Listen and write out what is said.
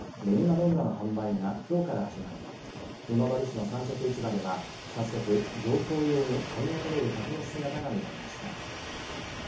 どんなの販売が、きょうから始まり今治市の産直市場では早速、贈答用に買い求める客の姿が見られました。